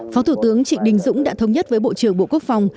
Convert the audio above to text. phó thủ tướng trịnh đình dũng đã thống nhất với bộ trưởng bộ quốc phòng